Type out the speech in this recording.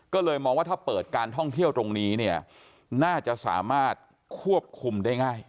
ก็เลยมองว่าถ้าเปิดการท่องเที่ยวตรงนี้เนี่ยน่าจะสามารถควบคุมได้ง่าย